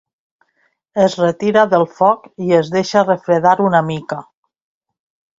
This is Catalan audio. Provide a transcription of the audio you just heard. Es retira del foc i es deixa refredar una mica.